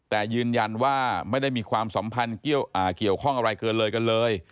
แต่ยืนยันว่าไม่ได้มีความสัมพันธ์เกี่ยวข้องอะไรเกินเลยกันเลย